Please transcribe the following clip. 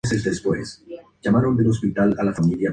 Además se interesó por la geología y la mineralogía.